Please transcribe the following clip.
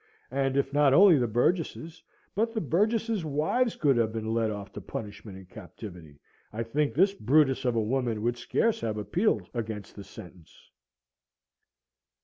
And if not only the burgesses, but the burgesses' wives could have been led off to punishment and captivity, I think this Brutus of a woman would scarce have appealed against the sentence.